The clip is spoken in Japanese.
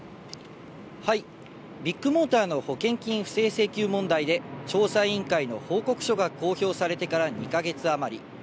ビッグモーターの保険金不正請求問題で調査委員会の報告書が公表されてから２か月余り。